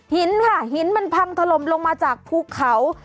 หินค่ะหินมันพังถล่มลงมาจากภูเขา